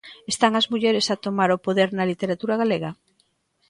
Están as mulleres a tomar o poder na literatura galega?